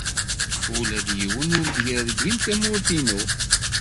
Ula d yiwen ur d-yergim tamurt-inu.